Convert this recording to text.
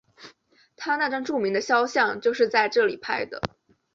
他那张著名的肖像就是在这里拍摄的。